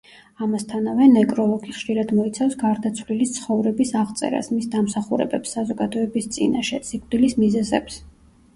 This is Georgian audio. ამასთანავე ნეკროლოგი ხშირად მოიცავს გარდაცვლილის ცხოვრების აღწერას, მის დამსახურებებს საზოგადოების წინაშე, სიკვდილის მიზეზებს.